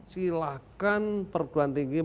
silahkan perguruan tinggi